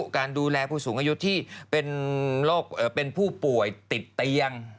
การดูแลผู้สูงอายุที่เป็นผู้ป่วยติดเตียง